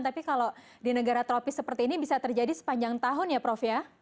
tapi kalau di negara tropis seperti ini bisa terjadi sepanjang tahun ya prof ya